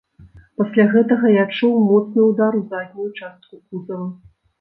Пасля гэтага і адчуў моцны ўдар у заднюю частку кузава.